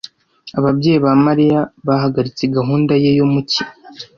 Ababyeyi ba Mariya bahagaritse gahunda ye yo mu cyi.